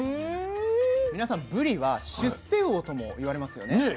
皆さんぶりは出世魚とも言われますよね。